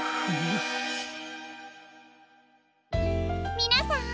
みなさん